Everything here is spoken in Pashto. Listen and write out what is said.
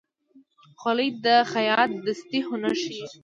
خولۍ د خیاط دستي هنر ښيي.